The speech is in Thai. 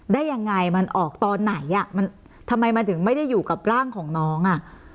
ได้ยังไงมันออกตอนไหนอ่ะมันทำไมมันถึงไม่ได้อยู่กับร่างของน้องอ่ะ